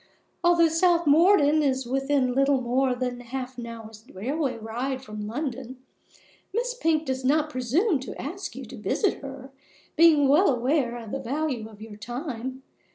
Although South Morden is within little more than half an hour's railway ride from London, Miss Pink does not presume to ask you to visit her, being well aware of the value of your time.